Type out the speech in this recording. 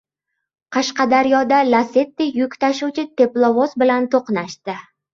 Qashqadaryoda "Lacetti" yuk tashuvchi teplovoz bilan to‘qnashdi